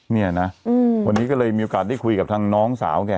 เนี่ยนะวันนี้ก็เลยมีโอกาสได้คุยกับทางน้องสาวแก